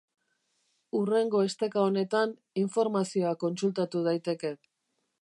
Hurrengo esteka honetan informazioa kontsultatu daiteke.